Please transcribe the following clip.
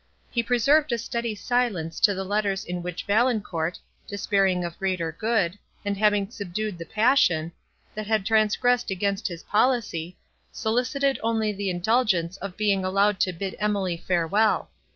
He preserved a steady silence to the letters in which Valancourt, despairing of greater good, and having subdued the passion, that had transgressed against his policy, solicited only the indulgence of being allowed to bid Emily farewell.